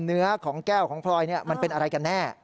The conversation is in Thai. เนื้อของแก้วของพลอยมันเป็นอะไรกันแน่